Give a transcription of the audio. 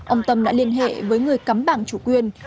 ông tâm đã liên hệ với người cắm bảng chủ quyền